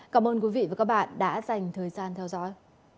cảm ơn quý vị và các bạn đã dành thời gian theo dõi